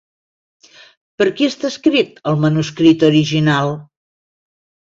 Per qui està escrit el manuscrit original?